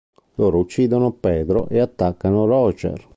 Loro uccidono Pedro e attaccano Roger.